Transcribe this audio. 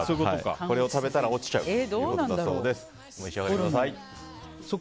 これを食べたら落ちちゃうということだそうです。